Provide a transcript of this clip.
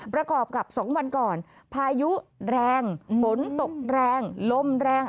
ประกอบกับ๒วันก่อนพายุแรงฝนตกแรงลมแรง